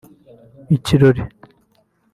‘Ikirori’